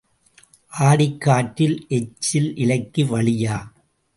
ஆடிக் காற்றில் எச்சில் இலைக்கு வழியா?